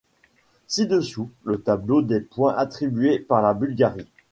Ci-dessous, le tableau des points attribués par la Bulgarie.